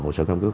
hộ sở căn cước